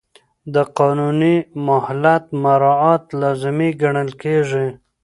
د قانوني مهلت مراعات لازمي ګڼل کېږي.